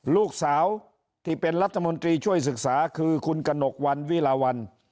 ลูกสาวที่เป็นรัฐมนตรีช่วยศึกษาคือคุณกระหนกวันวิลาวัน